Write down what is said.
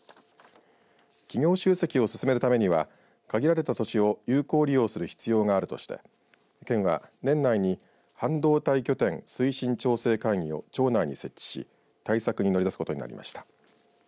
企業集積を進めるためには限られた土地を有効利用する必要があるとして県は、年内に半導体拠点推進調整会議を庁内に設置し対策に乗り出すことになりました。